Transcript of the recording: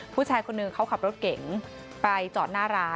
ผู้ชายคนหนึ่งเขาขับรถเก๋งไปจอดหน้าร้าน